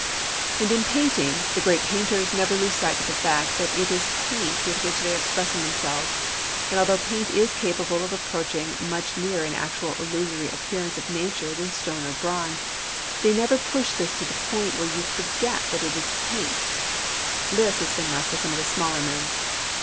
And in painting, the great painters never lose sight of the fact that it is paint with which they are expressing themselves. And although paint is capable of approaching much nearer an actual illusory appearance of nature than stone or bronze, they never push this to the point where you forget that it is paint. This has been left for some of the smaller men.